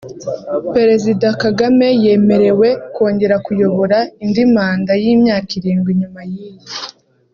Perezida Kagame yemerewe kongera kuyobora indi manda y’imyaka irindwi nyuma y’iyi